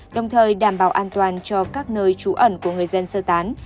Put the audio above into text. đồng thời đảm bảo an toàn cho các nơi trú ẩn của người dân sơ tán